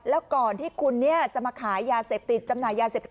แล้วก่อนที่คุณจะมาขายยาเสพติดจำหน่ายยาเสพติด